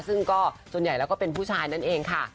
ซึ่งก็ส่วนใหญ่แล้วก็เป็นผู้ชายนั่นเองค่ะ